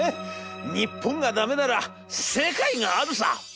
『日本がダメなら世界があるさ！』。